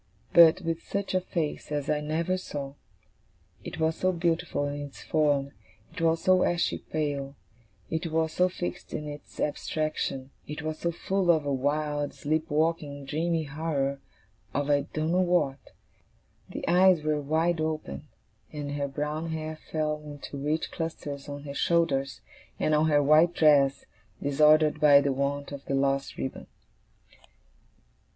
But with such a face as I never saw. It was so beautiful in its form, it was so ashy pale, it was so fixed in its abstraction, it was so full of a wild, sleep walking, dreamy horror of I don't know what. The eyes were wide open, and her brown hair fell in two rich clusters on her shoulders, and on her white dress, disordered by the want of the lost ribbon.